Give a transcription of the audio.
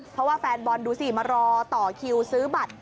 เพราะว่าแฟนบอลดูสิมารอต่อคิวซื้อบัตร